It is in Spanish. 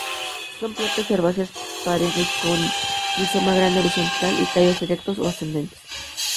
Son plantas herbáceas, perennes, con un rizoma grande horizontal y tallos erectos o ascendentes.